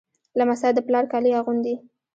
لمسی د پلار کالي اغوندي.